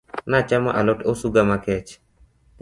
Nachamo alot osuga makech